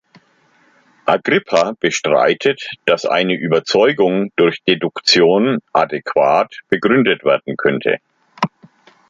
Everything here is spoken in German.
Agrippa bestreitet, dass eine Überzeugung durch Deduktion adäquat begründet werden könnte.